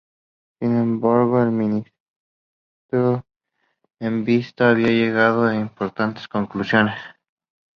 Sin embargo, el ministro en visita había llegado a importantes conclusiones.